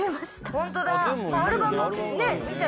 本当だ。